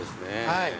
はい。